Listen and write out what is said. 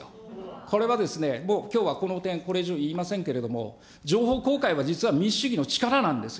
これはですね、もうきょうは、これ以上言いませんけれども、情報公開は、実は民主主義の力なんですよ。